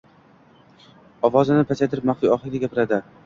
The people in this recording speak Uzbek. ovozini pasaytirib maxfiy ohangda gapirardi.